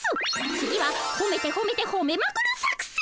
次はほめてほめてほめまくる作戦。